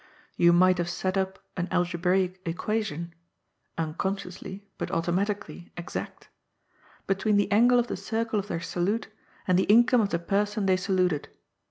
You might have set up an al gebraic equation — unconsciously, but automatically, exact — between the angle of the circle of their salute and the in come of the person they saluted.